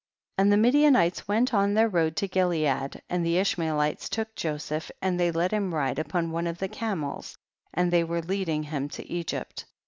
25. And the Midianites went on their road to Gilead, and the Ish maelites took Joseph and they let him ride upon one of the camels, and they were leading him to Egypt.